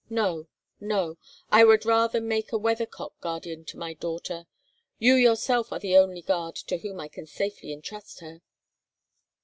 No, no; I would rather make a weathercock guardian to my daughter. You yourself are the only guard to whom I can safely intrust her."